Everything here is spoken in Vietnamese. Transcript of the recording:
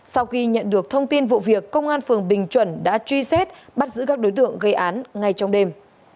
sau khi nhận được thông tin vụ việc công an phường bình chuẩn đã truy xét bắt giữ các đối tượng gây án ngay trong đêm